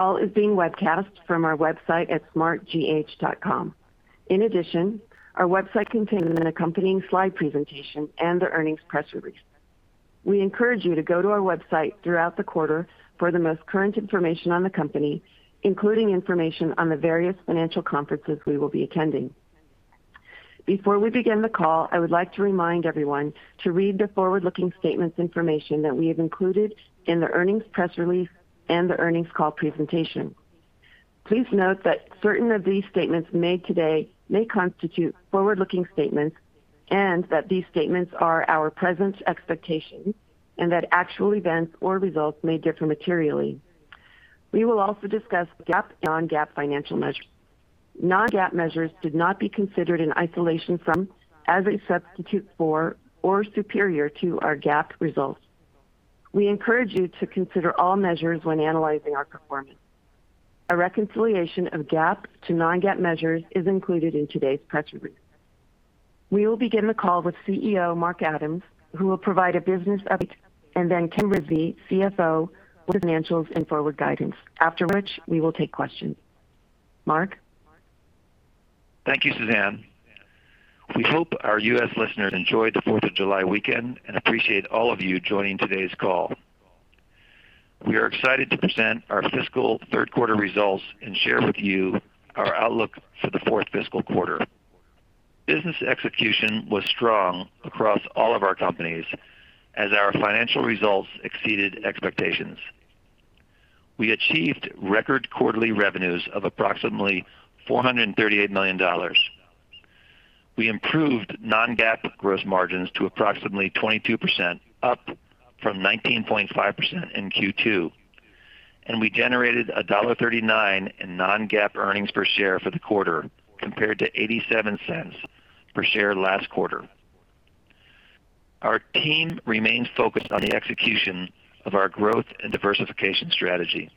Call is being webcast from our website at smartgh.com. In addition, our website contains an accompanying slide presentation and the earnings press release. We encourage you to go to our website throughout the quarter for the most current information on the company, including information on the various financial conferences we will be attending. Before we begin the call, I would like to remind everyone to read the forward-looking statements information that we have included in the earnings press release and the earnings call presentation. Please note that certain of these statements made today may constitute forward-looking statements, and that these statements are our present expectations, and that actual events or results may differ materially. We will also discuss GAAP and non-GAAP financial measures. Non-GAAP measures should not be considered in isolation from, as a substitute for, or superior to, our GAAP results. We encourage you to consider all measures when analyzing our performance. A reconciliation of GAAP to non-GAAP measures is included in today's press release. We will begin the call with CEO Mark Adams, who will provide a business update, and then Ken Rizvi, CFO, will go over financials and forward guidance, after which we will take questions. Mark? Thank you, Suzanne. We hope our U.S. listeners enjoyed the 4th of July weekend and appreciate all of you joining today's call. We are excited to present our fiscal third quarter results and share with you our outlook for the fourth fiscal quarter. Business execution was strong across all of our companies as our financial results exceeded expectations. We achieved record quarterly revenues of approximately $438 million. We improved non-GAAP gross margins to approximately 22%, up from 19.5% in Q2, and we generated $1.39 in non-GAAP earnings per share for the quarter, compared to $0.87 per share last quarter. Our team remains focused on the execution of our growth and diversification strategy.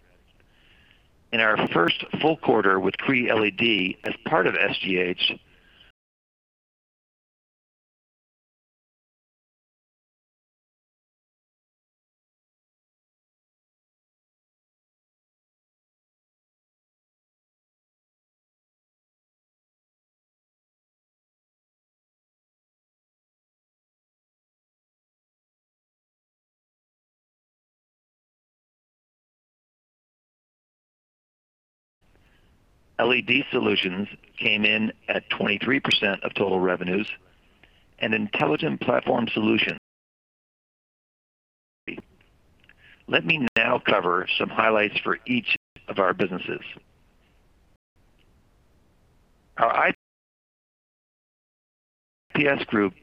In our first full quarter with Cree LED as part of SGH. LED Solutions Group came in at 23% of total revenues, and Intelligent Platform Solutions. Let me now cover some highlights for each of our businesses. Our IPS Group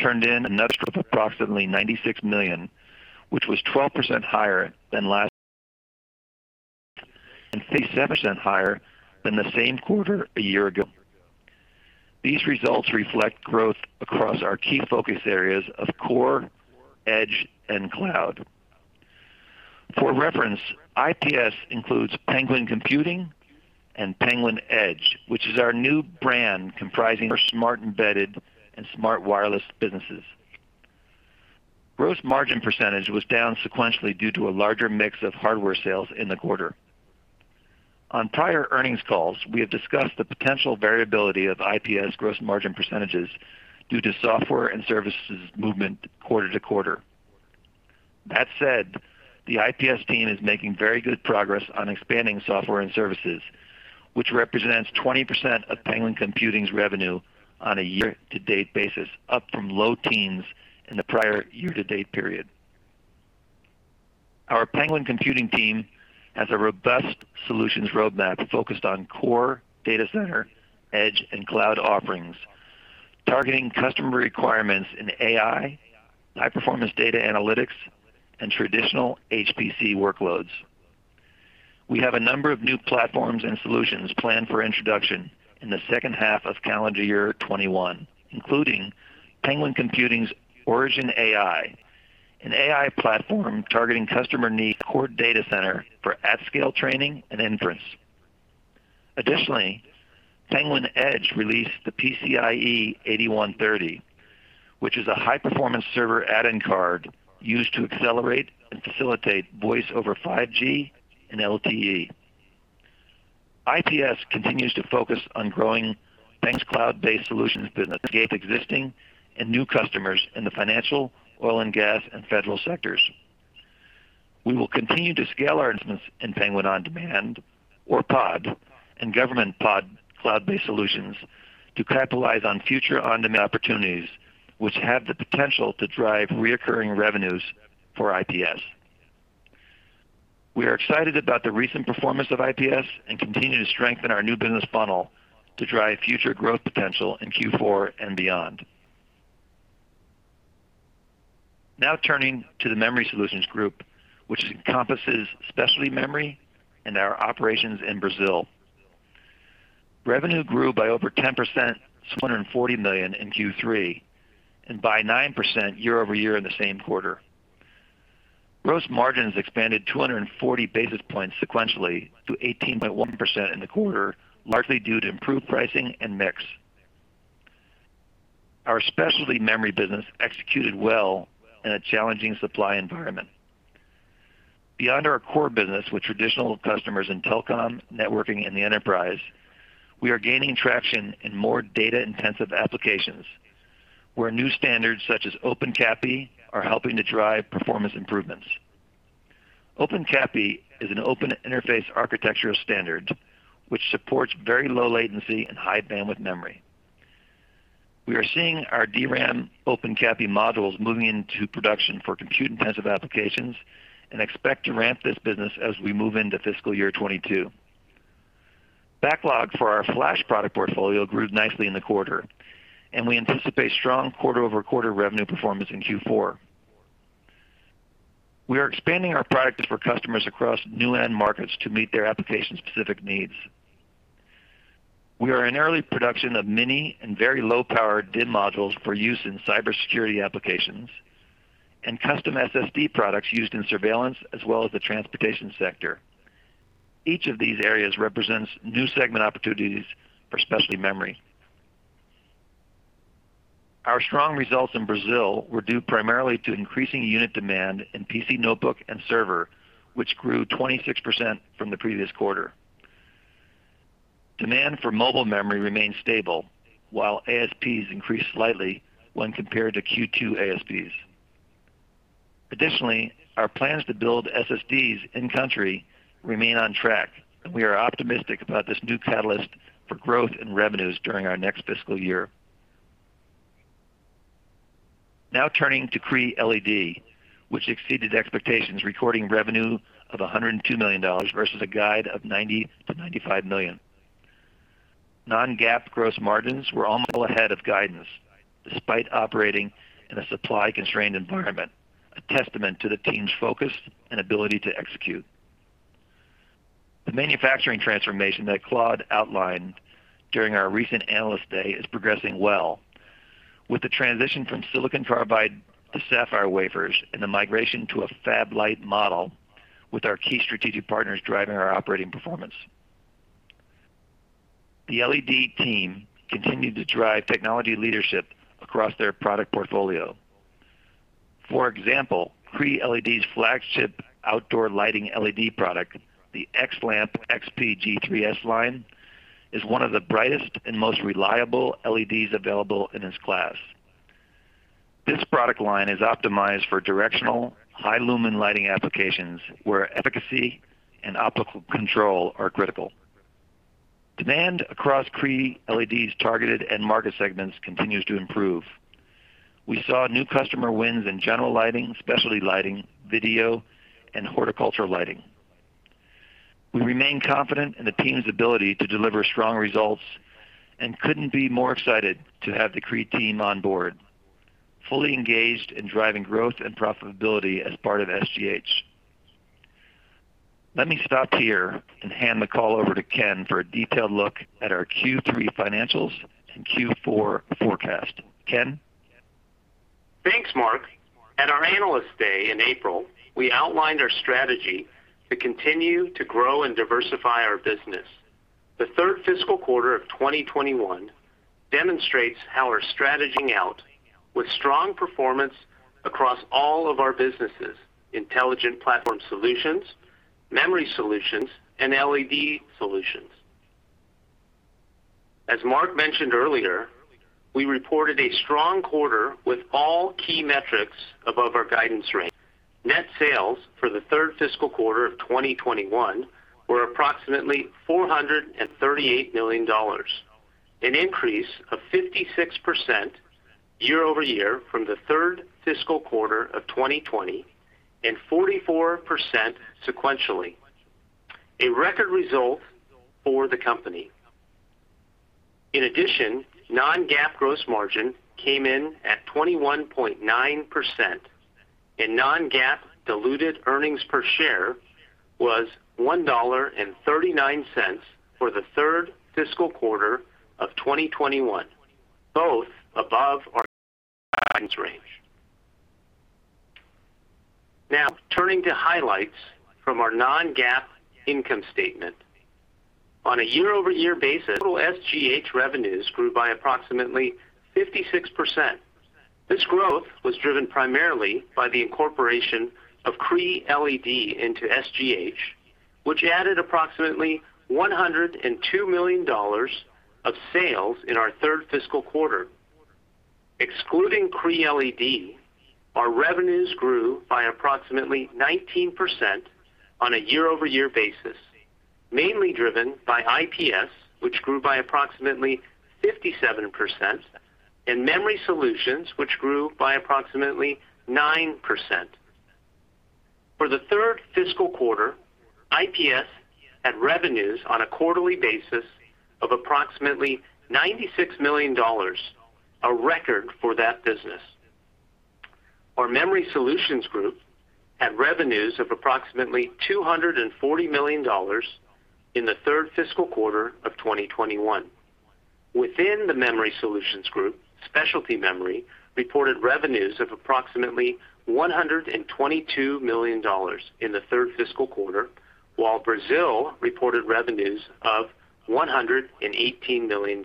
turned in net sales of approximately $96 million, which was 12% higher than last, and 57% higher than the same quarter a year ago. These results reflect growth across our key focus areas of core, edge, and cloud. For reference, IPS includes Penguin Computing and Penguin Edge, which is our new brand comprising our SMART Embedded and SMART Wireless businesses. Gross margin percentage was down sequentially due to a larger mix of hardware sales in the quarter. On prior earnings calls, we have discussed the potential variability of IPS gross margin percentages due to software and services movement quarter-to-quarter. That said, the IPS team is making very good progress on expanding software and services, which represents 20% of Penguin Computing's revenue on a year-to-date basis, up from low teens in the prior year-to-date period. Our Penguin Computing team has a robust solutions roadmap focused on core data center, edge, and cloud offerings, targeting customer requirements in AI, high-performance data analytics, and traditional HPC workloads. We have a number of new platforms and solutions planned for introduction in the second half of calendar year 2021, including Penguin Computing's OriginAI, an AI platform targeting customer needs core data center for at-scale training and inference. Additionally, Penguin Edge released the PCIe-8130, which is a high-performance server add-in card used to accelerate and facilitate voice over 5G and LTE. IPS continues to focus on growing Penguin's cloud-based solutions business to gain existing and new customers in the financial, oil and gas, and federal sectors. We will continue to scale our investments in Penguin On Demand, or POD, and GovPOD cloud-based solutions to capitalize on future on-demand opportunities, which have the potential to drive reoccurring revenues for IPS. We are excited about the recent performance of IPS and continue to strengthen our new business funnel to drive future growth potential in Q4 and beyond. Now turning to the Memory Solutions Group, which encompasses Specialty Memory and our operations in Brazil. Revenue grew by over 10% to $240 million in Q3, and by 9% year-over-year in the same quarter. Gross margins expanded 240 basis points sequentially to 18.1% in the quarter, largely due to improved pricing and mix. Our Specialty Memory business executed well in a challenging supply environment. Beyond our core business with traditional customers in telecom, networking, and the enterprise, we are gaining traction in more data-intensive applications, where new standards such as OpenCAPI are helping to drive performance improvements. OpenCAPI is an open interface architectural standard, which supports very low latency and high bandwidth memory. We are seeing our DRAM OpenCAPI modules moving into production for compute-intensive applications and expect to ramp this business as we move into fiscal year 2022. Backlog for our flash product portfolio grew nicely in the quarter, and we anticipate strong quarter-over-quarter revenue performance in Q4. We are expanding our products for customers across new end markets to meet their application-specific needs. We are in early production of mini and very low power DIMM modules for use in cybersecurity applications and custom SSD products used in surveillance as well as the transportation sector. Each of these areas represents new segment opportunities for Specialty Memory. Our strong results in Brazil were due primarily to increasing unit demand in PC notebook and server, which grew 26% from the previous quarter. Demand for mobile memory remains stable, while ASPs increased slightly when compared to Q2 ASPs. Our plans to build SSDs in-country remain on track, and we are optimistic about this new catalyst for growth in revenues during our next fiscal year. Now turning to Cree LED, which exceeded expectations, recording revenue of $102 million versus a guide of $90 million-$95 million. Non-GAAP gross margins were also ahead of guidance despite operating in a supply-constrained environment, a testament to the team's focus and ability to execute. The manufacturing transformation that Claude outlined during our recent Analyst Day is progressing well, with the transition from silicon carbide to sapphire wafers and the migration to a fab-lite model with our key strategic partners driving our operating performance. The LED team continued to drive technology leadership across their product portfolio. For example, Cree LED's flagship outdoor lighting LED product, the XLamp XP-G3 S Line, is one of the brightest and most reliable LEDs available in its class. This product line is optimized for directional, high lumen lighting applications where efficacy and optical control are critical. Demand across Cree LED's targeted end market segments continues to improve. We saw new customer wins in general lighting, specialty lighting, video, and horticultural lighting. We remain confident in the team's ability to deliver strong results and couldn't be more excited to have the Cree LED team on board, fully engaged in driving growth and profitability as part of SGH. Let me stop here and hand the call over to Ken for a detailed look at our Q3 financials and Q4 forecast. Ken? Thanks, Mark. At our Analyst Day in April, we outlined our strategy to continue to grow and diversify our business. The third fiscal quarter of 2021 demonstrates how we're strategizing out with strong performance across all of our businesses, Intelligent Platform Solutions, Memory Solutions Group, and LED Solutions Group. As Mark mentioned earlier, we reported a strong quarter with all key metrics above our guidance range. Net sales for the third fiscal quarter of 2021 were approximately $438 million, an increase of 56% year-over-year from the third fiscal quarter of 2020 and 44% sequentially, a record result for the company. In addition, non-GAAP gross margin came in at 21.9%. Non-GAAP diluted earnings per share was $1.39 for the third fiscal quarter of 2021, both above our guidance range. Turning to highlights from our non-GAAP income statement. On a year-over-year basis, total SGH revenues grew by approximately 56%. This growth was driven primarily by the incorporation of Cree LED into SGH, which added approximately $102 million of sales in our third fiscal quarter. Excluding Cree LED, our revenues grew by approximately 19% on a year-over-year basis, mainly driven by IPS, which grew by approximately 57%, and Memory Solutions Group, which grew by approximately 9%. For the third fiscal quarter, IPS had revenues on a quarterly basis of approximately $96 million, a record for that business. Our Memory Solutions Group had revenues of approximately $240 million in the third fiscal quarter of 2021. Within the Memory Solutions Group, Specialty Memory reported revenues of approximately $122 million in the third fiscal quarter, while Brazil reported revenues of $118 million.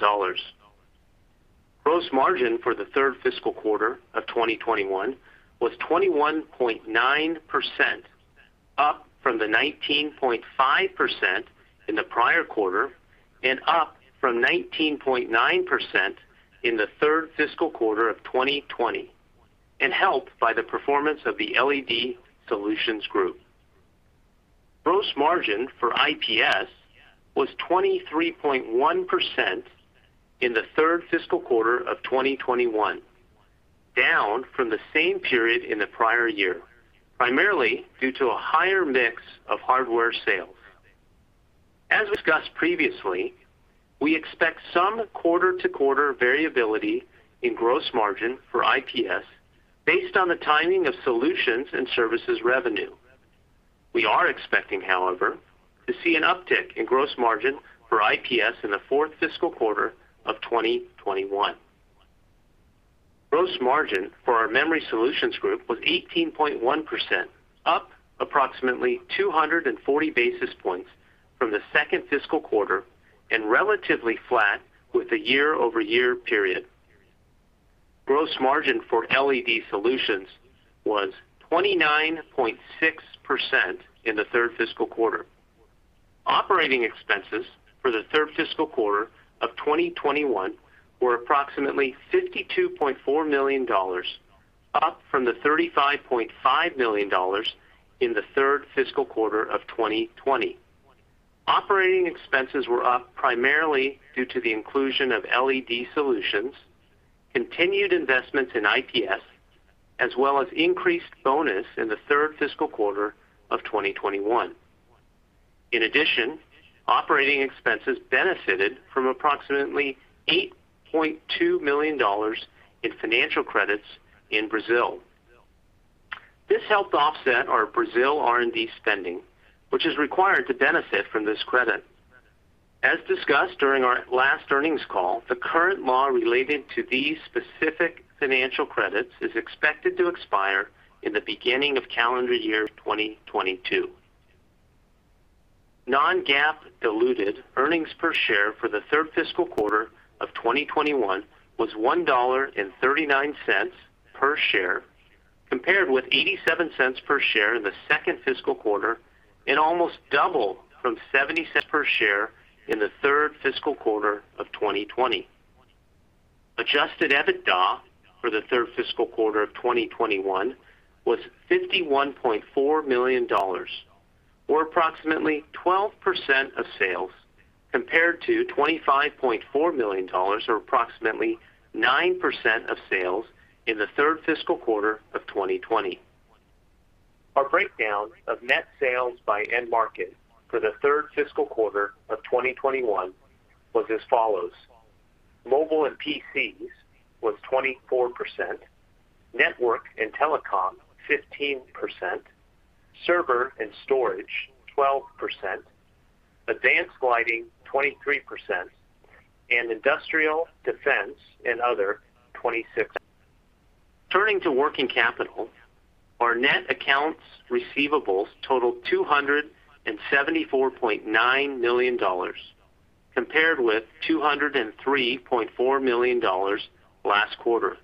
Gross margin for the third fiscal quarter of 2021 was 21.9%, up from the 19.5% in the prior quarter and up from 19.9% in the third fiscal quarter of 2020, and helped by the performance of the LED Solutions Group. Gross margin for IPS was 23.1% in the third fiscal quarter of 2021, down from the same period in the prior year, primarily due to a higher mix of hardware sales. As discussed previously, we expect some quarter-to-quarter variability in gross margin for IPS based on the timing of solutions and services revenue. We are expecting, however, to see an uptick in gross margin for IPS in the fourth fiscal quarter of 2021. Gross margin for our Memory Solutions Group was 18.1%, up approximately 240 basis points from the second fiscal quarter and relatively flat with the year-over-year period. Gross margin for LED Solutions Group was 29.6% in the third fiscal quarter. Operating expenses for the third fiscal quarter of 2021 were approximately $52.4 million, up from the $35.5 million in the third fiscal quarter of 2020. Operating expenses were up primarily due to the inclusion of LED Solutions Group, continued investments in IPS, as well as increased bonus in the third fiscal quarter of 2021. In addition, operating expenses benefited from approximately $8.2 million in financial credits in Brazil. This helped offset our Brazil R&D spending, which is required to benefit from this credit. As discussed during our last earnings call, the current law related to these specific financial credits is expected to expire in the beginning of calendar year 2022. Non-GAAP diluted earnings per share for the third fiscal quarter of 2021 was $1.39 per share, compared with $0.87 per share in the second fiscal quarter and almost double from $0.70 per share in the third fiscal quarter of 2020. Adjusted EBITDA for the third fiscal quarter of 2021 was $51.4 million, or approximately 12% of sales, compared to $25.4 million, or approximately 9% of sales in the third fiscal quarter of 2020. Our breakdown of net sales by end market for the third fiscal quarter of 2021 was as follows: mobile and PCs was 24%, network and telecom, 15%, server and storage, 12%, advanced lighting, 23%, and industrial, defense, and other, 26%. Turning to working capital, our net accounts receivables totaled $274.9 million, compared with $203.4 million last quarter.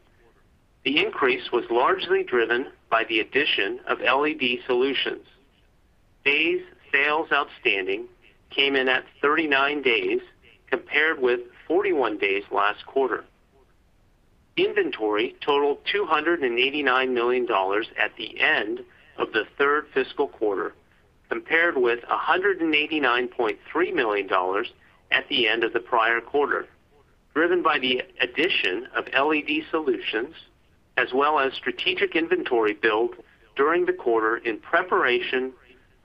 The increase was largely driven by the addition of LED Solutions Group. Days sales outstanding came in at 39 days, compared with 41 days last quarter. Inventory totaled $289 million at the end of the third fiscal quarter, compared with $189.3 million at the end of the prior quarter, driven by the addition of LED Solutions Group, as well as strategic inventory build during the quarter in preparation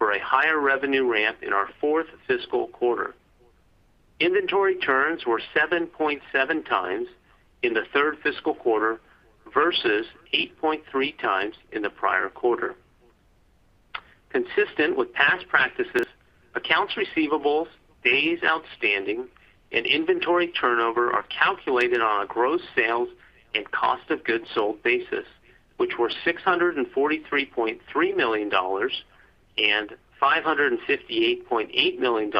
for a higher revenue ramp in our fourth fiscal quarter. Inventory turns were 7.7x in the third fiscal quarter versus 8.3x in the prior quarter. Consistent with past practices, accounts receivables, days outstanding, and inventory turnover are calculated on a gross sales and cost of goods sold basis, which were $643.3 million and $558.8 million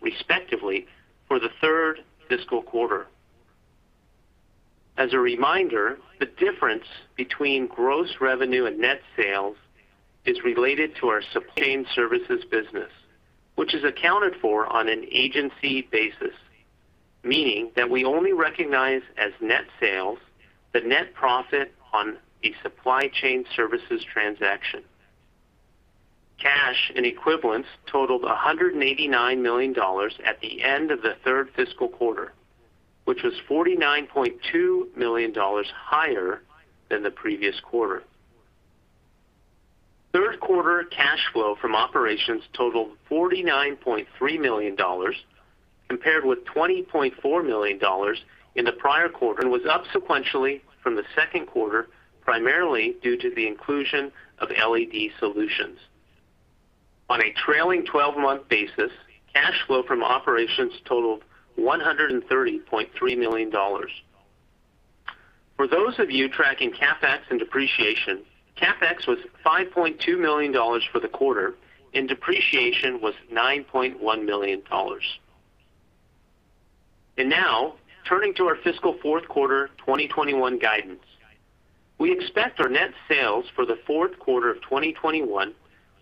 respectively for the third fiscal quarter. As a reminder, the difference between gross revenue and net sales is related to our supply chain services business, which is accounted for on an agency basis, meaning that we only recognize as net sales the net profit on a supply chain services transaction. Cash and equivalents totaled $189 million at the end of the third fiscal quarter, which was $49.2 million higher than the previous quarter. Third quarter cash flow from operations totaled $49.3 million compared with $20.4 million in the prior quarter, and was up sequentially from the second quarter, primarily due to the inclusion of LED Solutions Group. on a trailing 12-month basis, cash flow from operations totaled $130.3 million. For those of you tracking CapEx and depreciation, CapEx was $5.2 million for the quarter, and depreciation was $9.1 million. Now turning to our fiscal fourth quarter 2021 guidance. We expect our net sales for the fourth quarter of 2021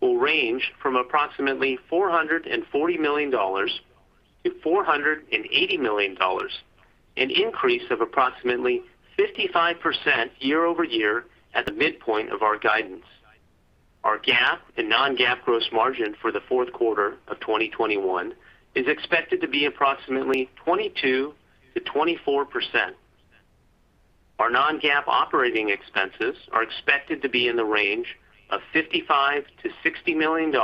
will range from approximately $440 million-$480 million, an increase of approximately 55% year-over-year at the midpoint of our guidance. Our GAAP and non-GAAP gross margin for the fourth quarter of 2021 is expected to be approximately 22%-24%. Our non-GAAP operating expenses are expected to be in the range of $55 million-$60 million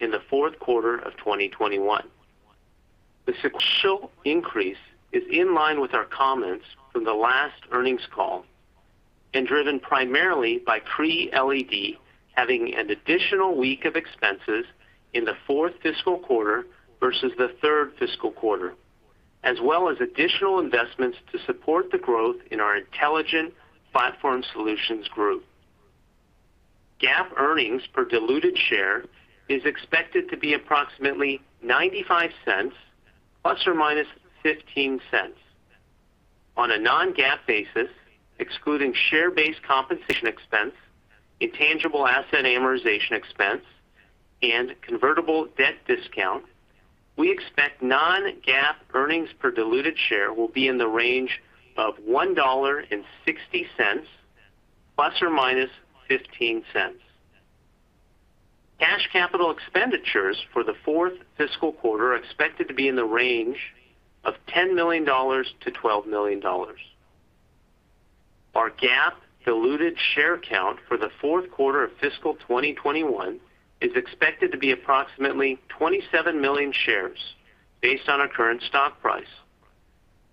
in the fourth quarter of 2021. The sequential increase is in line with our comments from the last earnings call and driven primarily by Cree LED having an additional week of expenses in the fourth fiscal quarter versus the third fiscal quarter, as well as additional investments to support the growth in our Intelligent Platform Solutions Group. GAAP earnings per diluted share is expected to be approximately $0.95, ±$0.15. On a non-GAAP basis, excluding share-based compensation expense, intangible asset amortization expense, and convertible debt discount, we expect non-GAAP earnings per diluted share will be in the range of $1.60, ±$0.15. Cash capital expenditures for the fourth fiscal quarter are expected to be in the range of $10 million-$12 million. Our GAAP diluted share count for the fourth quarter of fiscal 2021 is expected to be approximately 27 million shares based on our current stock price.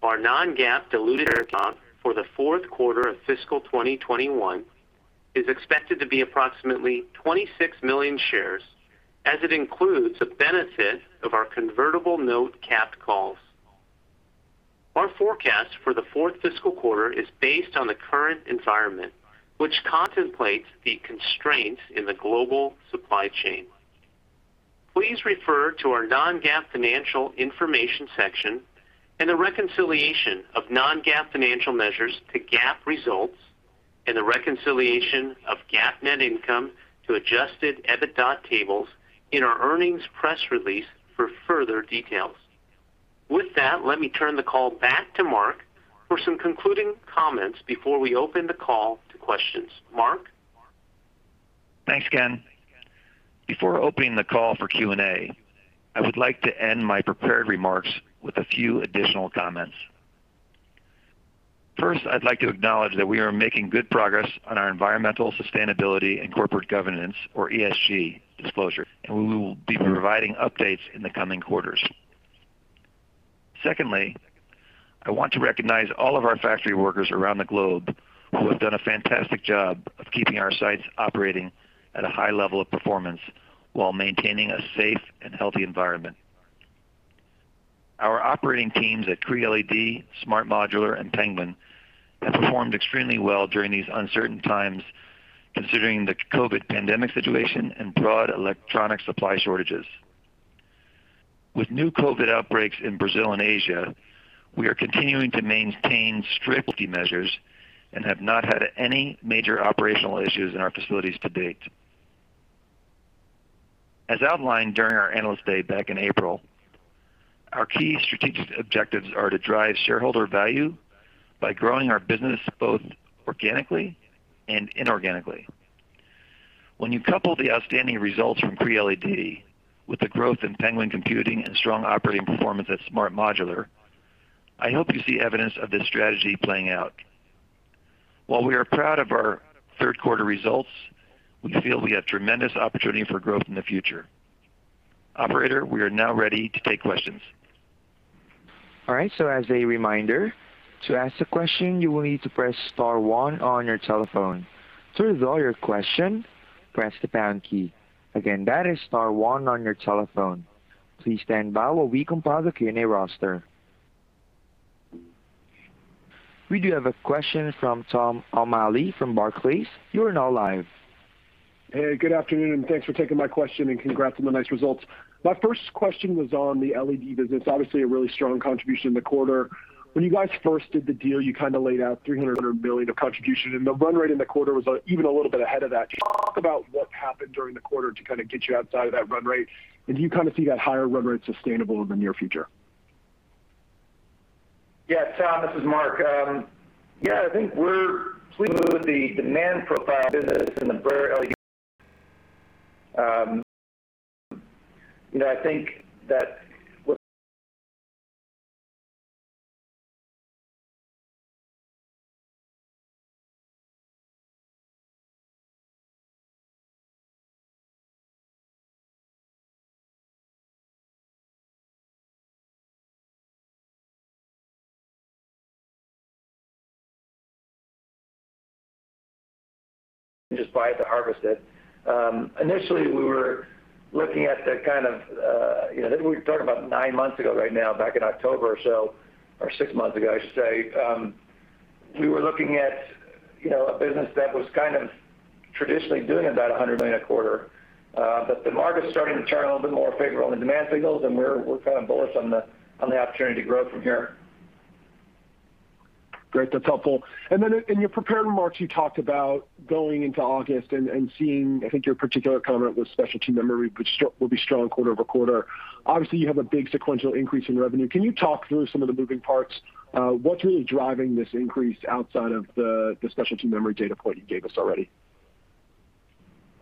Our non-GAAP diluted share count for the fourth quarter of fiscal 2021 is expected to be approximately 26 million shares, as it includes the benefit of our convertible note capped calls. Our forecast for the fourth fiscal quarter is based on the current environment, which contemplates the constraints in the global supply chain. Please refer to our non-GAAP financial information section and the reconciliation of non-GAAP financial measures to GAAP results, and the reconciliation of GAAP net income to adjusted EBITDA tables in our earnings press release for further details. With that, let me turn the call back to Mark for some concluding comments before we open the call to questions. Mark? Thanks, Ken. Before opening the call for Q&A, I would like to end my prepared remarks with a few additional comments. First, I'd like to acknowledge that we are making good progress on our environmental sustainability and corporate governance, or ESG, disclosure, and we will be providing updates in the coming quarters. Secondly, I want to recognize all of our factory workers around the globe who have done a fantastic job of keeping our sites operating at a high level of performance while maintaining a safe and healthy environment. Our operating teams at Cree LED, SMART Modular, and Penguin have performed extremely well during these uncertain times, considering the COVID pandemic situation and broad electronic supply shortages. With new COVID outbreaks in Brazil and Asia, we are continuing to maintain strict safety measures and have not had any major operational issues in our facilities to date. As outlined during our Analyst Day back in April, our key strategic objectives are to drive shareholder value by growing our business both organically and inorganically. When you couple the outstanding results from Cree LED with the growth in Penguin Computing and strong operating performance at SMART Modular, I hope you see evidence of this strategy playing out. While we are proud of our third quarter results, we feel we have tremendous opportunity for growth in the future. Operator, we are now ready to take questions. All right. As a reminder, to ask a question, you will need to press star one on your telephone. To withdraw your question, press the pound key. Again, that is star one on your telephone. Please stand by while we compile the Q&A roster. We do have a question from Tom O'Malley from Barclays. You are now live. Hey, good afternoon. Thanks for taking my question, and congrats on the nice results. My first question was on the LED business, obviously a really strong contribution in the quarter. When you guys first did the deal, you laid out $300 million of contribution, and the run rate in the quarter was even a little bit ahead of that. Can you talk about what happened during the quarter to get you outside of that run rate? Do you see that higher run rate sustainable in the near future? Yeah, Tom, this is Mark. Yeah, I think we're pleased with the demand profile of the business. Just buy to harvest it. Initially, we were looking at that, I think we're talking about nine months ago right now, back in October or so, or six months ago, I should say. We were looking at a business that was traditionally doing about $100 million a quarter. The market's starting to turn a little bit more favorable in demand signals, and we're bullish on the opportunity to grow from here. Great. That's helpful. Then in your prepared remarks, you talked about going into August and seeing, I think your particular comment was Specialty Memory will be strong quarter-over-quarter. Obviously, you have a big sequential increase in revenue. Can you talk through some of the moving parts? What's really driving this increase outside of the Specialty Memory data point you gave us already?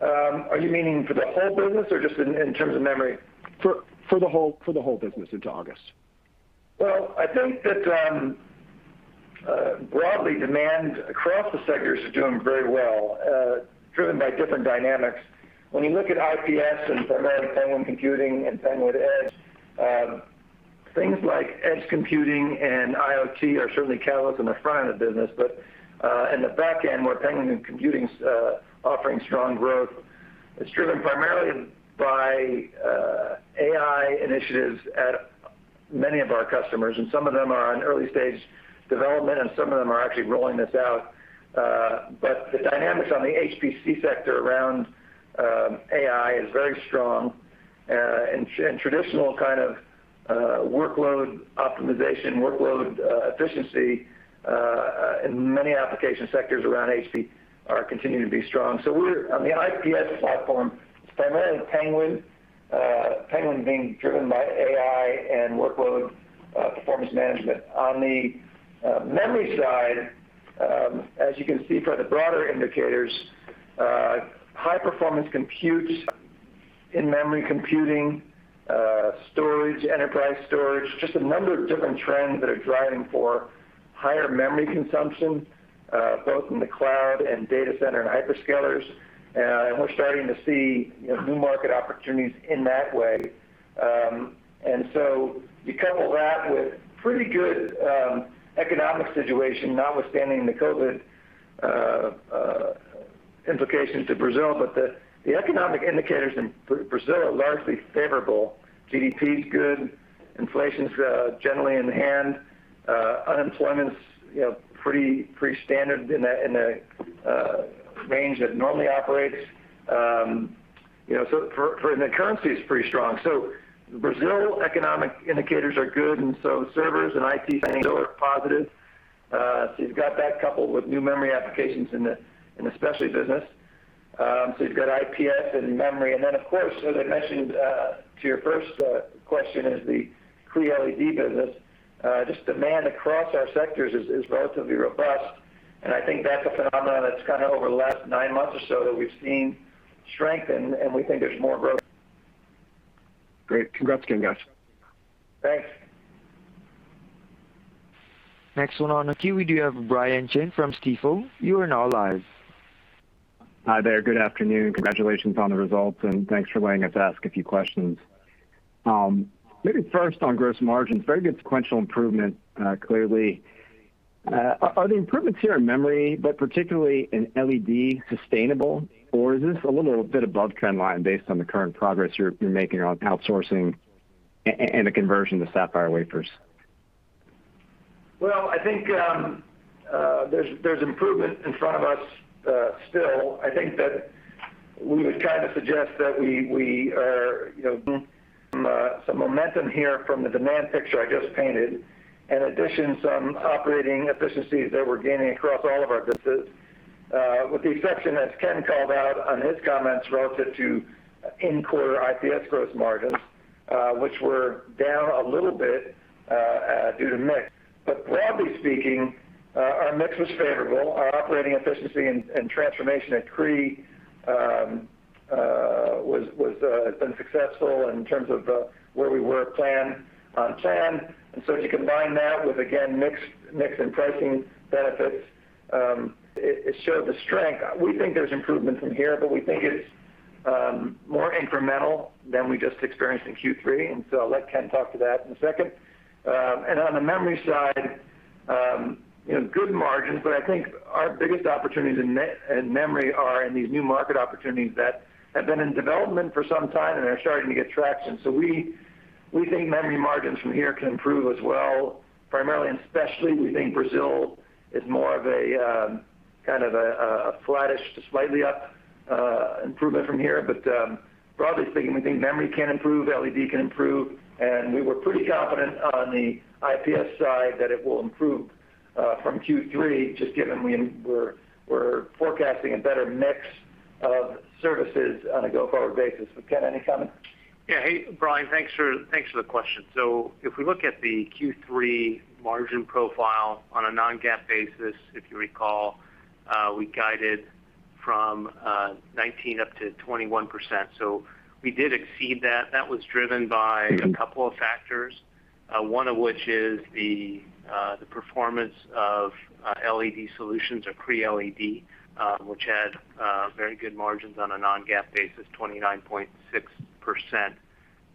Are you meaning for the whole business or just in terms of memory? For the whole business into August. Well, I think that broadly, demand across the sectors is doing very well, driven by different dynamics. When you look at IPS and [then] Penguin Computing and Penguin Edge, things like edge computing and IoT are certainly catalysts in the front end of the business. In the back end, where Penguin Computing is offering strong growth. It's driven primarily by AI initiatives at many of our customers, and some of them are in early stage development, and some of them are actually rolling this out. The dynamics on the HPC sector around AI is very strong, and traditional kind of workload optimization, workload efficiency in many application sectors around HPC are continuing to be strong. On the IPS platform, primarly Penguin being driven by AI and workload performance management. On the memory side, as you can see from the broader indicators, high performance computes, in-memory computing, storage, enterprise storage, just a number of different trends that are driving for higher memory consumption, both in the cloud and data center hyperscalers. We're starting to see new market opportunities in that way. You couple that with pretty good economic situation, notwithstanding the COVID implications to Brazil, but the economic indicators in Brazil are largely favorable. GDP is good. Inflation is generally in hand. Unemployment's pretty standard in a range that normally operates. The currency is pretty strong. Brazil economic indicators are good, servers and IT spending are positive. You've got that coupled with new memory applications in the specialty business. You've got IPS and memory. Of course, as I mentioned to your first question is the Cree LED business. Just demand across our sectors is relatively robust, and I think that's a phenomenon that's over the last nine months or so that we've seen strengthen, and we think there's more growth. Great. Congrats, again, guys. Thanks. Next one on the queue, we do have Brian Chin from Stifel. You are now live. Hi there. Good afternoon. Congratulations on the results, and thanks for letting us ask a few questions. Maybe first on gross margins, very good sequential improvement, clearly. Are the improvements here in memory, but particularly in LED sustainable, or is this a little bit above trend line based on the current progress you're making on outsourcing and the conversion to sapphire wafers? Well, I think there's improvement in front of us still. I think that we were trying to suggest that we are some momentum here from the demand picture I just painted. In addition, some operating efficiencies that we're gaining across all of our business. With the exception, as Ken called out on his comments relative to in-quarter IPS gross margins, which were down a little bit due to mix. Broadly speaking, our mix was favorable. Our operating efficiency and transformation at Cree LED has been successful in terms of where we were plan on plan. You combine that with, again, mix and pricing benefits, it showed the strength. We think there's improvements in here, but we think it's more incremental than we just experienced in Q3. I'll let Ken talk to that in a second. On the memory side, good margins, but I think our biggest opportunities in memory are in these new market opportunities that have been in development for some time, and they're starting to get traction. we think memory margins from here can improve as well. Primarily and especially, we think Brazil is more of a flattish slightly up improvement from here. Broadly speaking, we think memory can improve, LED can improve, and we were pretty confident on the IPS side that it will improve from Q3, just given we're forecasting a better mix of services on a go-forward basis. Ken, any comment? Yeah. Hey, Brian, thanks for the question. If we look at the Q3 margin profile on a non-GAAP basis, if you recall, we guided from 19%-21%. We did exceed that. That was driven by a couple of factors. One of which is the performance of LED Solutions Group or Cree LED, which had very good margins on a non-GAAP basis, 29.6%.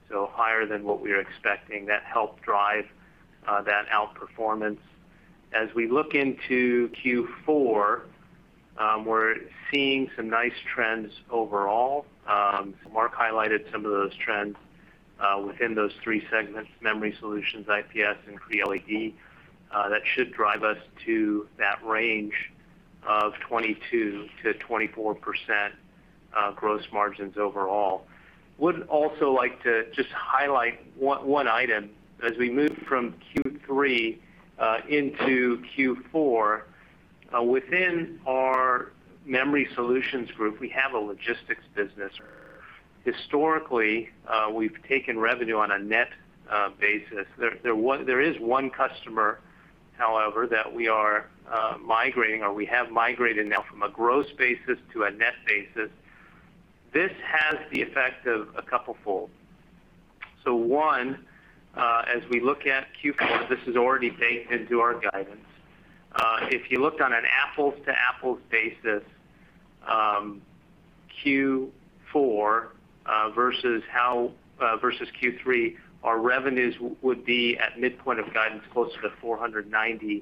So higher than what we were expecting. That helped drive that outperformance. As we look into Q4, we're seeing some nice trends overall. Mark highlighted some of those trends within those three segments, Memory Solutions Group, IPS, and Cree LED. That should drive us to that range of 22%-24% gross margins overall. Would also like to just highlight one item. As we move from Q3 into Q4, within our Memory Solutions Group, we have a logistics business. Historically, we've taken revenue on a net basis. There is one customer, however, that we are migrating, or we have migrated now from a gross basis to a net basis. This has the effect of a couplefold. One, as we look at Q4, this is already baked into our guidance. If you looked on an apples-to-apples basis, Q4 versus Q3, our revenues would be at midpoint of guidance closer to $490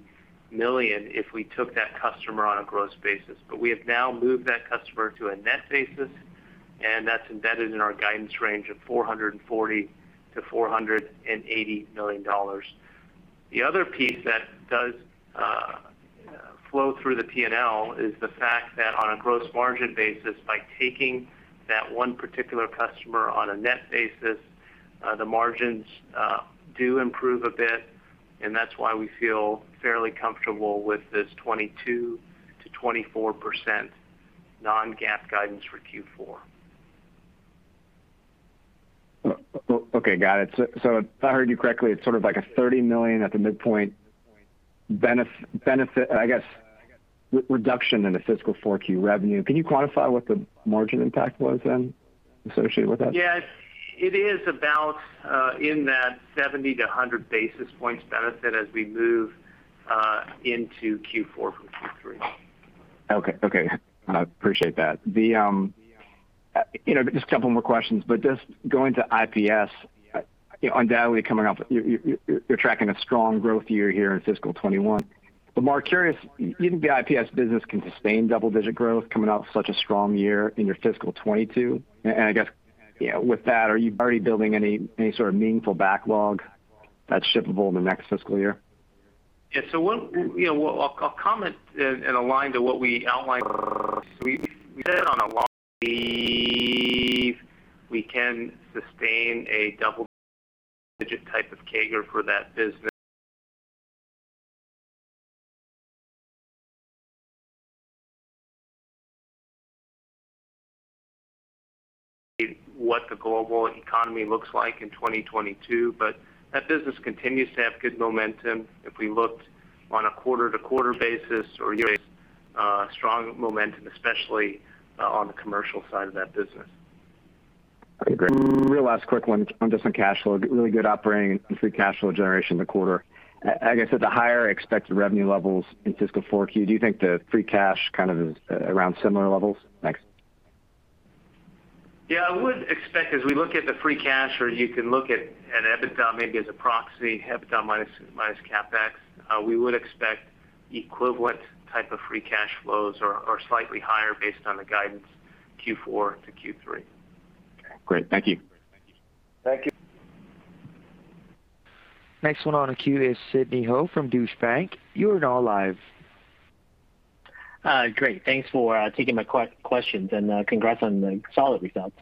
million if we took that customer on a gross basis. We have now moved that customer to a net basis, and that's embedded in our guidance range of $440 million-$480 million. The other piece that does flow through the P&L is the fact that on a gross margin basis, by taking that one particular customer on a net basis, the margins do improve a bit, and that's why we feel fairly comfortable with this 22%-24% non-GAAP guidance for Q4. Okay, got it. If I heard you correctly, it's sort of like a $30 million at the midpoint reduction in a fiscal 4Q revenue. Can you quantify what the margin impact was then associated with that? Yes. It is about in that 70 basis points-100 basis points benefit as we move into Q4 from Q3. Okay. I appreciate that. Just a couple more questions, but just going to IPS, on that coming up, you're tracking a strong growth year here in fiscal 2021. Mark, curious, do you think the IPS business can sustain double-digit growth coming off such a strong year in your fiscal 2022? I guess, with that, are you already building any sort of meaningful backlog that's shippable in the next fiscal year? I'll comment and align to what we outlined earlier. We said on our last we can sustain a double-digit type of CAGR for that business. What the global economy looks like in 2022, that business continues to have good momentum. We looked on a quarter-to-quarter basis or year strong momentum, especially on the commercial side of that business. Great. Real last quick one just on cash flow. Really good operating free cash flow generation in the quarter. I guess at the higher expected revenue levels in fiscal 4Q, do you think the free cash kind of is around similar levels? Thanks. Yeah, I would expect as we look at the free cash flow, you can look at EBITDA maybe as a proxy, EBITDA minus CapEx. We would expect equivalent type of free cash flows or slightly higher based on the guidance Q4 to Q3. Great. Thank you. Thank you. Next one on the queue is Sidney Ho from Deutsche Bank. Great. Thanks for taking my questions, and congrats on the solid results.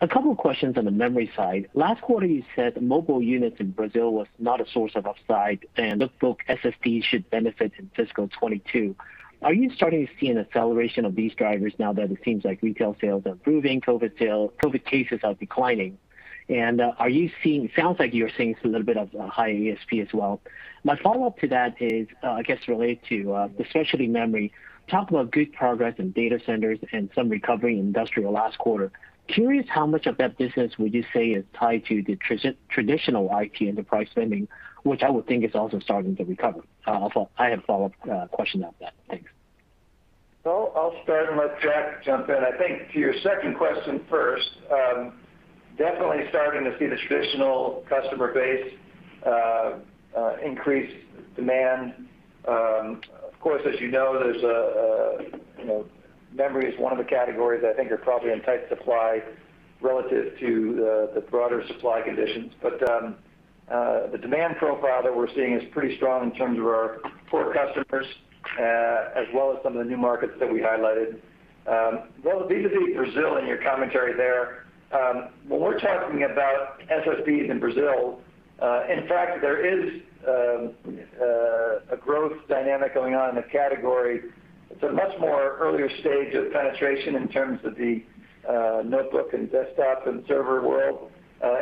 A couple questions on the memory side. Last quarter, you said mobile units in Brazil was not a source of upside, and notebook SSD should benefit in fiscal 2022. Are you starting to see an acceleration of these drivers now that it seems like retail sales are improving, COVID cases are declining? Sounds like you're seeing some little bit of a high ASP as well. My follow-up to that is, I guess related to Specialty Memory, talk about good progress in data centers and some recovery in industrial last quarter. Curious how much of that business would you say is tied to the traditional IT end device spending, which I would think is also starting to recover. I have a follow-up question after that. Thanks. I'll start and let Jack jump in. I think to your second question first, definitely starting to see the traditional customer base increase demand. Of course, as you know, memory is one of the categories I think are probably in tight supply relative to the broader supply conditions. The demand profile that we're seeing is pretty strong in terms of our core customers, as well as some of the new markets that we highlighted. The vis-à-vis Brazil and your commentary there, when we're talking about SSDs in Brazil, in fact there is a growth dynamic going on in the category. It's a much more earlier stage of penetration in terms of the notebook and desktop and server world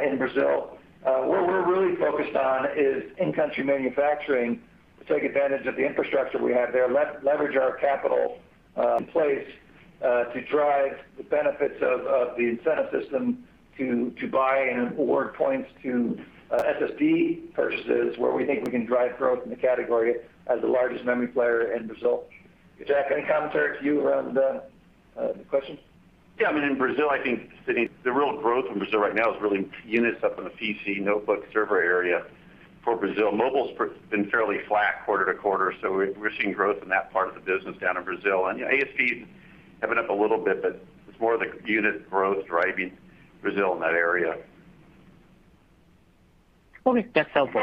in Brazil. What we're really focused on is in-country manufacturing to take advantage of the infrastructure we have there, leverage our capital in place to drive the benefits of the incentive system to buy and award points to SSD purchases, where we think we can drive growth in the category as the largest memory player in Brazil. Jack, any commentary from you around the questions? Yeah, in Brazil, I think, Sidney, the real growth in Brazil right now is really units up in the PC, notebook, server area for Brazil. Mobile's been fairly flat quarter-to-quarter, we're seeing growth in that part of the business down in Brazil. ASP is up a little bit, it's more the unit growth driving Brazil in that area. That's helpful.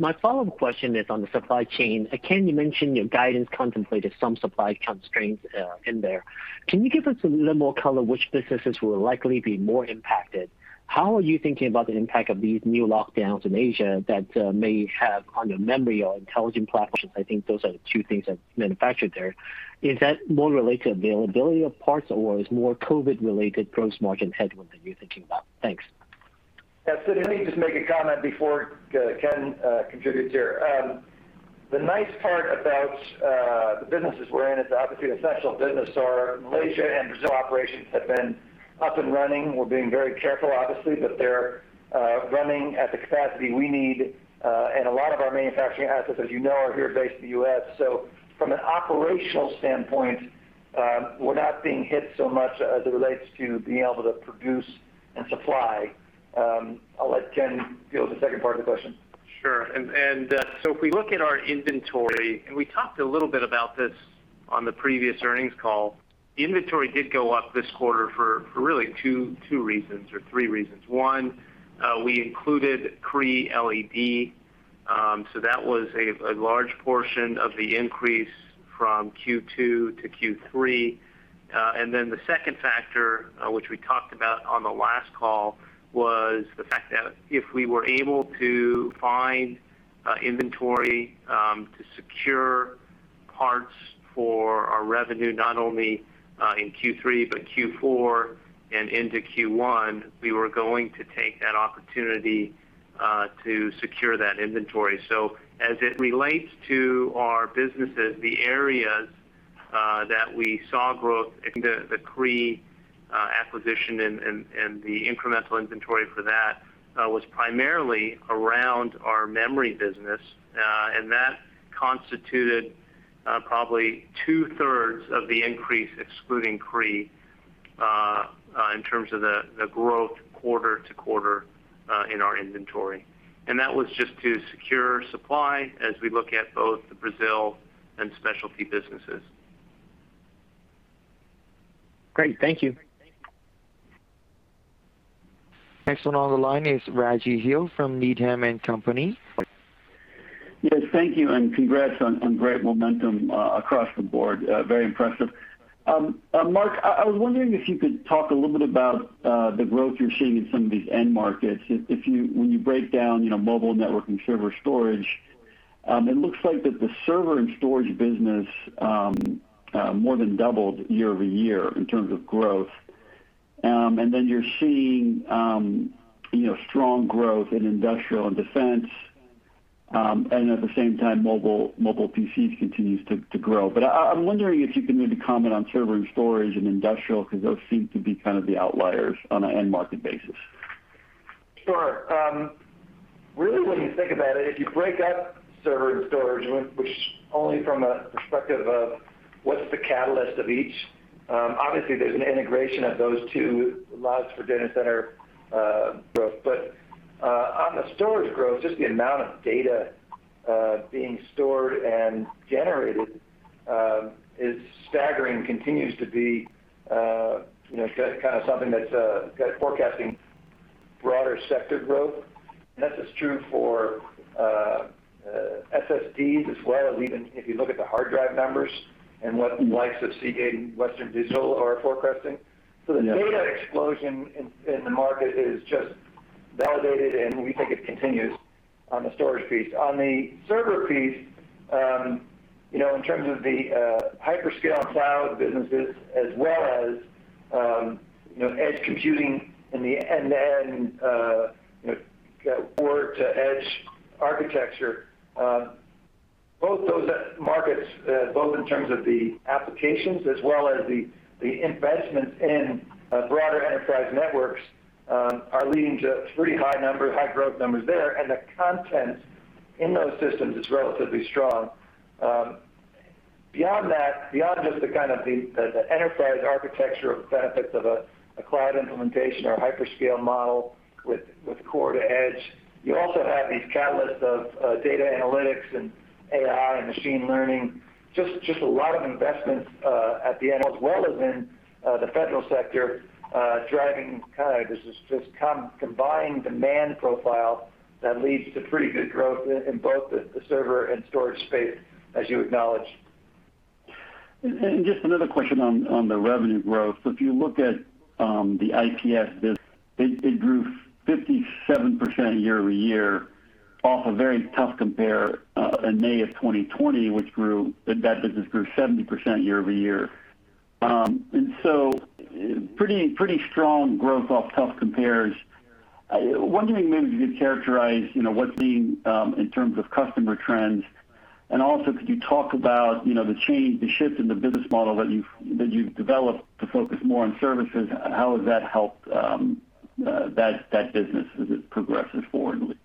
My follow-up question is on the supply chain. Ken, you mentioned your guidance contemplated some supply constraints in there. Can you give us a little more color which businesses will likely be more impacted? How are you thinking about the impact of these new lockdowns in Asia that may have on your Memory or Intelligent Platforms Solutions? I think those are the two things that's manufactured there. Is that more related to availability of parts, or is more COVID-related gross margin headwinds are you thinking about? Thanks. Yeah, Sidney, let me just make a comment before Ken contributes here. The nice part about the businesses we're in is obviously an essential business. Our Malaysia and Brazil operations have been up and running. We're being very careful, obviously, but they're running at the capacity we need. A lot of our manufacturing assets, as you know, are here based in the U.S. From an operational standpoint, we're not being hit so much as it relates to being able to produce and supply. I'll let Ken deal with the second part of the question. Sure. If we look at our inventory, and we talked a little bit about this on the previous earnings call, inventory did go up this quarter for really two reasons or three reasons. One, we included Cree LED, so that was a large portion of the increase from Q2 to Q3. The second factor, which we talked about on the last call, was the fact that if we were able to find inventory to secure parts for our revenue, not only in Q3, but Q4 and into Q1, we were going to take that opportunity to secure that inventory. As it relates to our businesses, the areas that we saw growth, excluding the Cree LED acquisition and the incremental inventory for that, was primarily around our Memory business. That constituted probably 2/3 of the increase, excluding Cree LED, in terms of the growth quarter-to-quarter in our inventory. That was just to secure supply as we look at both the Brazil and Specialty businesses. Great. Thank you. Next on the line is Raji Gill from Needham & Company. Yes, thank you, and congrats on great momentum across the board. Very impressive. Mark, I was wondering if you could talk a little bit about the growth you're seeing in some of these end markets. When you break down your mobile network and server storage, it looks like that the server and storage business more than doubled year-over-year in terms of growth. You're seeing strong growth in industrial and defense. At the same time, mobile PCs continues to grow. I'm wondering if you can maybe comment on server and storage and industrial, because those seem to be kind of the outliers on an end market basis. Sure. When you think about it, if you break up server and storage, which only from a perspective of what's the catalyst of each, obviously there's an integration of those two allows for data center growth. On the storage growth, just the amount of data being stored and generated is staggering, continues to be something that's forecasting broader sector growth. That's true for SSDs as well, even if you look at the hard drive numbers and what the likes of Seagate and Western Digital are forecasting. The data explosion in the market is just validated, and we think it continues on the storage piece. On the server piece, in terms of the hyperscale cloud businesses as well as edge computing and the end-to-end core-to-edge architecture, both those markets, both in terms of the applications as well as the investments in broader enterprise networks, are leading to pretty high numbers, high growth numbers there, and the content in those systems is relatively strong. Beyond that, beyond just the enterprise architecture benefits of a cloud implementation or hyperscale model with core to edge, you also have these catalysts of data analytics and AI and machine learning, just a lot of investments at the end as well as in the federal sector, driving this combined demand profile that leads to pretty good growth in both the server and storage space, as you acknowledged. Just another question on the revenue growth. If you look at the IPS business, it grew 57% year-over-year off a very tough compare in May of 2020, that business grew 70% year-over-year. Pretty strong growth off tough compares. I was wondering maybe if you could characterize what's being in terms of customer trends, and also could you talk about the shift in the business model that you've developed to focus more on services, and how has that helped that business as it progresses forwardly?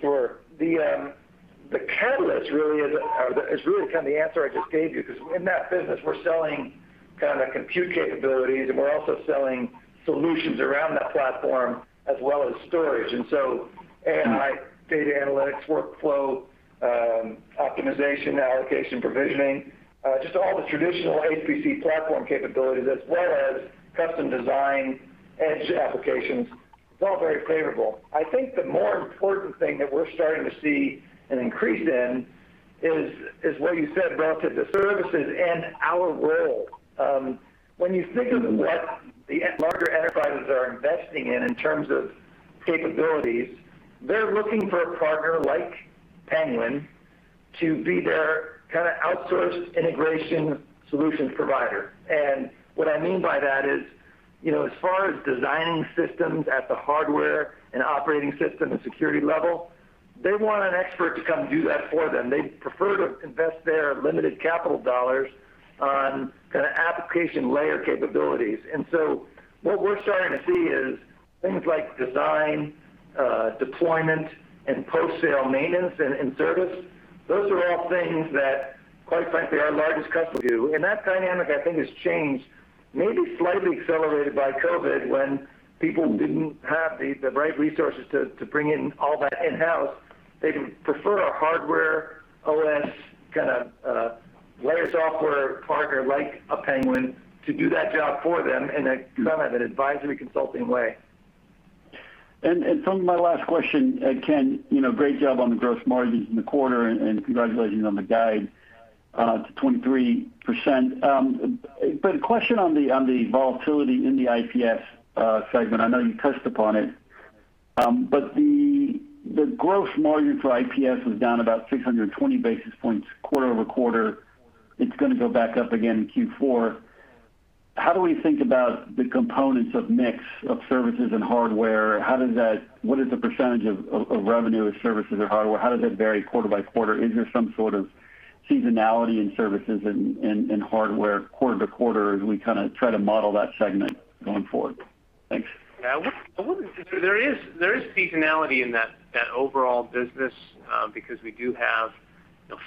Sure. The catalyst really is the answer I just gave you, because in that business, we're selling compute capabilities, and we're also selling solutions around that platform as well as storage. AI, data analytics, workflow optimization, allocation, provisioning, just all the traditional HPC platform capabilities as well as custom design edge applications, it's all very favorable. I think the more important thing that we're starting to see an increase in is what you said about the services and our role. When you think of what the larger enterprises are investing in terms of capabilities, they're looking for a partner like Penguin to be their outsourced integration solution provider. What I mean by that is, as far as designing systems at the hardware and OS and security level, they want an expert to come do that for them. They'd prefer to invest their limited capital dollars on application layer capabilities. What we're starting to see is things like design, deployment, and post-sale maintenance and service. Those are all things that, quite frankly, our largest customers do. That dynamic, I think, has changed, maybe slightly accelerated by COVID, when people didn't have the right resources to bring in all that in-house. They prefer a hardware, OS, layer software partner like a Penguin to do that job for them in an advisory, consulting way. My last question, Ken, great job on the gross margins in the quarter, and congratulations on the guide to 23%. A question on the volatility in the IPS segment. I know you touched upon it. The gross margin for IPS was down about 620 basis points quarter-over-quarter. It's going to go back up again in Q4. How do we think about the components of mix of services and hardware? What is the percentage of revenue of services or hardware? How does that vary quarter-by-quarter? Is there some sort of seasonality in services and hardware quarter-to-quarter as we try to model that segment going forward? Thanks. There is seasonality in that overall business, because we do have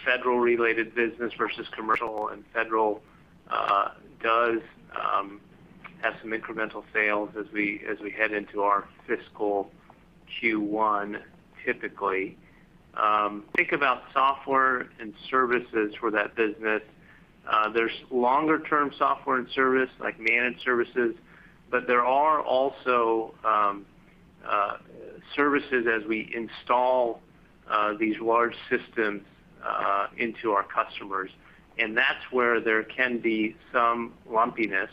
federal-related business versus commercial, and federal does have some incremental sales as we head into our fiscal Q1, typically. Think about software and services for that business. There's longer-term software and service, like managed services, but there are also services as we install these large systems into our customers, and that's where there can be some lumpiness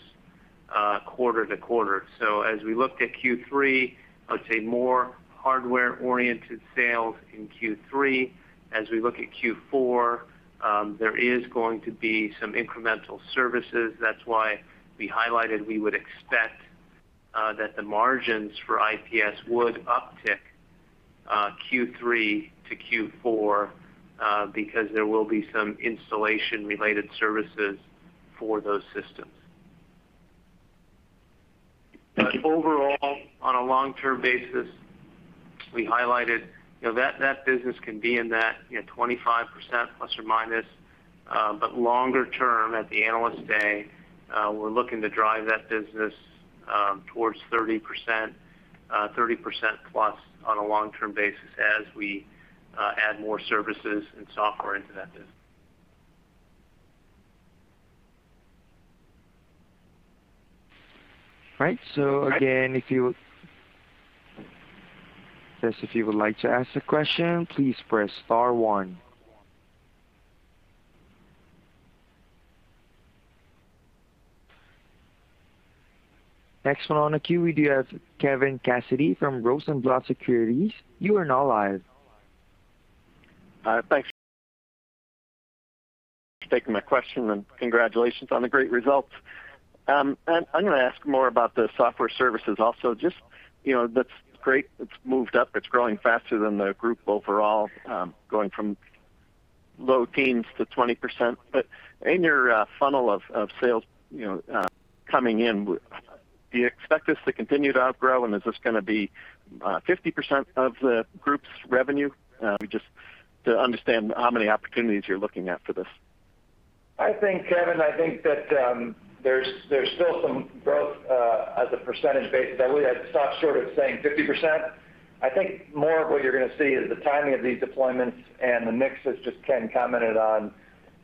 quarter-to-quarter. As we looked at Q3, I would say more hardware-oriented sales in Q3. As we look at Q4, there is going to be some incremental services. That's why we highlighted we would expect that the margins for IPS would uptick Q3 to Q4, because there will be some installation-related services for those systems. Overall, on a long-term basis, we highlighted that business can be in that 25%±. Longer term, at the Analyst Day, we're looking to drive that business towards 30%, 30%+ on a long-term basis as we add more services and software into that business. Right. Again, if you would like to ask a question, please press star one. Next on the queue, we do have Kevin Cassidy from Rosenblatt Securities. You are now live. Thanks for taking my question, and congratulations on the great results. I'm going to ask more about the software services also. That's great. It's moved up. It's growing faster than the group overall, going from low teens to 20%. In your funnel of sales coming in, do you expect this to continue to outgrow, and is this going to be 50% of the Group's revenue? Just to understand how many opportunities you're looking at for this. Kevin, I think that there's still some growth. As a percentage basis that we had to stop short of saying 50%. I think more of what you're going to see is the timing of these deployments and the mix that just Ken commented on.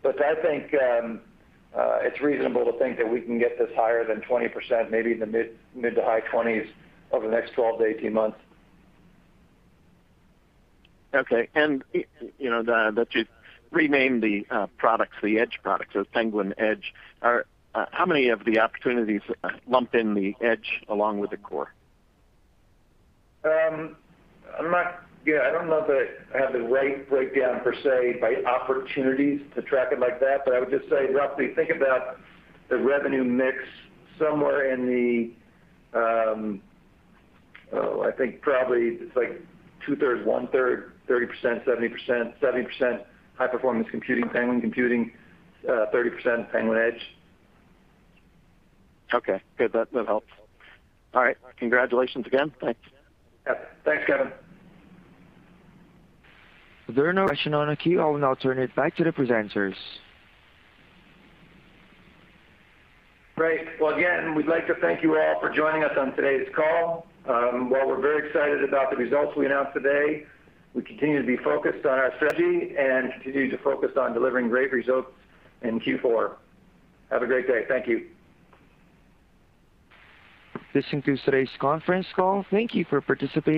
I think it's reasonable to think that we can get this higher than 20%, maybe the mid to high 20%s over the next 12-18 months. Okay. That you've renamed the products, the edge products, so Penguin Edge. How many of the opportunities lumped in the edge along with the core? I don't know that I have the right breakdown per se by opportunities to track it like that. I would just say roughly think about the revenue mix I think probably it's like 2/3, 1/3, 30%, 70%. 70% high-performance computing, Penguin Computing, 30% Penguin Edge. Okay. Good. That helps. All right. Congratulations again. Thank you. Yeah. Thanks, Kevin. If there are no more questions on the queue, I will now turn it back to the presenters. Great. Well, again, we'd like to thank you all for joining us on today's call. While we're very excited about the results we announced today, we continue to be focused on our strategy, and continue to focus on delivering great results in Q4. Have a great day. Thank you. This concludes today's conference call. Thank you for participating.